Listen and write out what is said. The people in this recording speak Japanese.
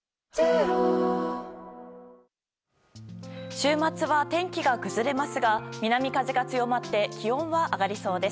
週末は天気が崩れますが南風が強まって気温は上がりそうです。